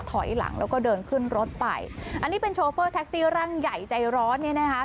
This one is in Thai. ถอยหลังแล้วก็เดินขึ้นรถไปอันนี้เป็นโชเฟอร์แท็กซี่ร่างใหญ่ใจร้อนเนี่ยนะคะ